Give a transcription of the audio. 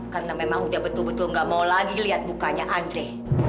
karena memang udah betul betul gak mau lagi liat mukanya andri